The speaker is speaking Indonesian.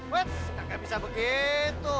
wets nggak bisa begitu